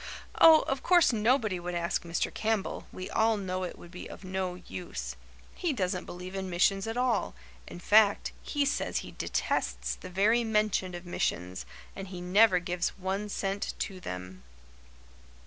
"Oh, of course nobody would ask Mr. Campbell. We all know it would be of no use. He doesn't believe in missions at all in fact, he says he detests the very mention of missions and he never gives one cent to them."